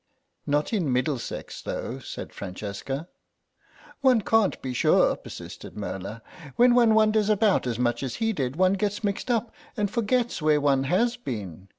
"Not in Middlesex, though," said Francesca. "One can't be sure," persisted Merla; "when one wanders about as much as he did one gets mixed up and forgets where one has been.